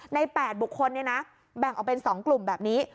ใน๘บุคคลแบ่งออกเป็น๒กลุ่มแบบนี้